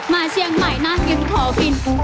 มาเชียงใหม่น่าคิดขอบิน